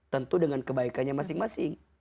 tentu dengan kebaikannya masing masing